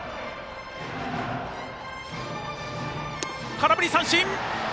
空振り三振。